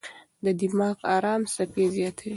دا د دماغ ارام څپې زیاتوي.